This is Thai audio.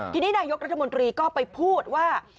ทีนี้นายกรัฐมนตรีก็ไปพูดว่า